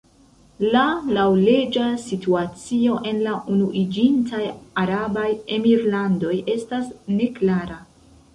La laŭleĝa situacio en la Unuiĝintaj Arabaj Emirlandoj estas neklara.